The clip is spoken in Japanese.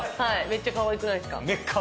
めっちゃかわいくないっすか？